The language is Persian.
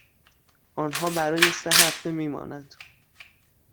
آنها برای سه هفته می مانند.